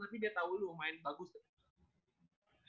tapi dia tau lu mau main bagus tuh